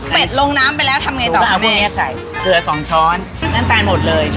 เป็ดลงน้ำไปแล้วทำยังไงต่อมาแม่